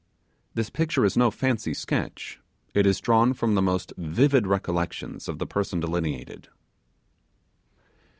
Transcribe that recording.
This picture is no fancy sketch; it is drawn from the most vivid recollections of the person delineated.